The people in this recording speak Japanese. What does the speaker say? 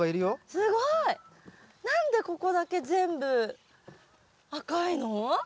すごい！何でここだけ全部赤いの？